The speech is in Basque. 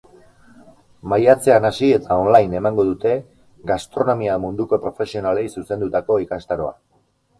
Maiatzean hasi eta online emango dute gastronomia munduko profesionalei zuzendutako ikastaroa.